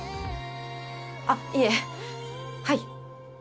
あっいえはい。